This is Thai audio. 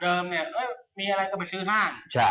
เดิมอ่ะเอ้ยมีอะไรก็ไปซื้อห้าง